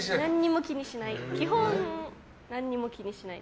何にも気にしない？